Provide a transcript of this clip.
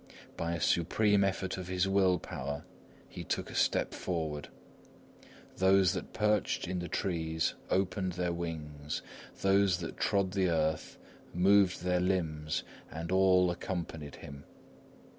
By a supreme effort of his will power, he took a step forward; those that perched in the trees opened their wings, those that trod the earth moved their limbs, and all accompanied him.